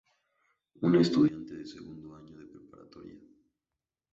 Una estudiante de segundo año de preparatoria.